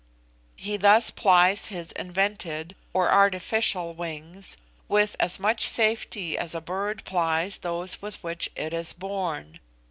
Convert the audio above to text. He thus plies his invented or artificial wings with as much safety as a bird plies those with which it is born.